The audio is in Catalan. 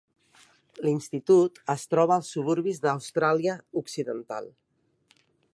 L'institut es troba als suburbis d'Austràlia Occidental.